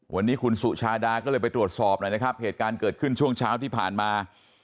วันนี้คุณสุชาดาก็เลยไปตรวจสอบหน่อยนะครับเหตุการณ์เกิดขึ้นช่วงเช้าที่ผ่านมา